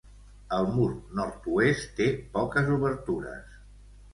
El mur nord-oest té poques obertures.